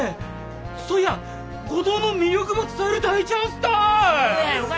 そいや五島の魅力ば伝える大チャンスたい！